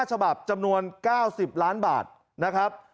ฉบับจำนวน๙๐ล้านบาทนะครับ